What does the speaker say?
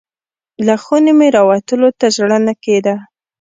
له خونې مې راوتلو ته زړه نه کیده.